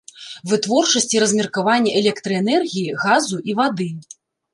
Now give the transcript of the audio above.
Вытворчасць і размеркаванне электраэнергіі, газу і вады.